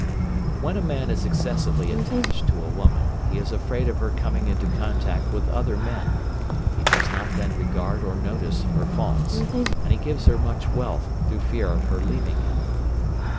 "When a man is excessively attached to a woman, he is afraid of her coming into contact with other men; he does not then regard or notice her faults; and he gives her much wealth through fear of her leaving him."